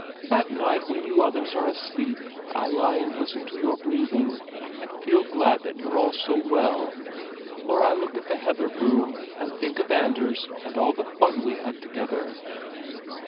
At night when you others are asleep, I lie and listen to your breathing, and feel glad that you're all so well. Or I look at the heather broom, and think of Anders and all the fun we had together."